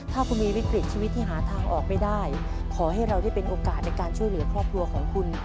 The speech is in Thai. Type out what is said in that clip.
ถ้าคุณมีวิกฤตชีวิตที่หาทางออกไม่ได้ขอให้เราได้เป็นโอกาสในการช่วยเหลือครอบครัวของคุณ